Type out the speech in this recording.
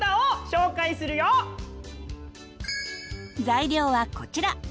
材料はこちら。